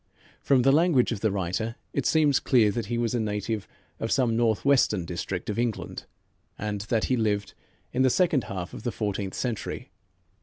From the language of the writer, it seems clear that he was a native of some Northwestern district of England, and that he lived in the second half of the Fourteenth Century.